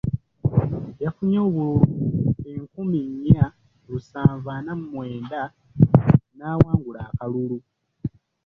Yafunye obululu enkumi nnya lusanvu ana mu mwenda n'awangula akalulu.